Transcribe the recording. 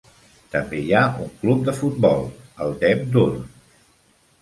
També hi ha un club de futbol, el Dev Doorn.